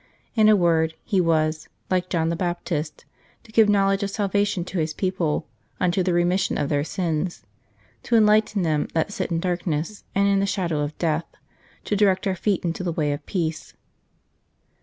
In a word, he was, like John the Baptist, " to give knowledge of salvation to His people, unto the remission of their sins. ... To enlighten them that sit in darkness, and in the shadow of death : to direct our feet into the way of peace."